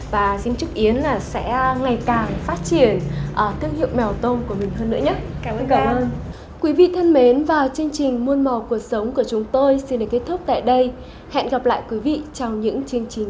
và xin chúc yến sẽ ngày càng phát triển thương hiệu mèo tôm của mình hơn nữa nhé